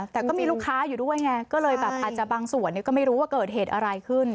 แต่ก็มีลูกค้าอยู่ด้วยไงก็เลยแบบอาจจะบางส่วนก็ไม่รู้ว่าเกิดเหตุอะไรขึ้น